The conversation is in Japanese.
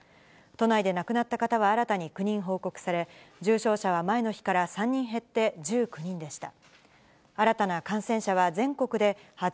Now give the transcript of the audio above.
都内で亡くなった方は新たに９人報告され、重症者は前の日から３人減って１９人でした。